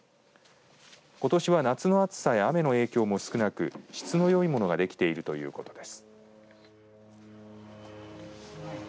ことしは夏の暑さや雨の影響も少なく質のよいものができているということです。